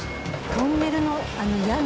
トンネルの屋根？